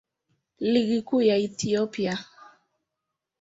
Ligi Kuu ya Ethiopia.